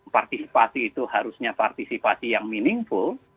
partisipasi itu harusnya partisipasi yang meaningful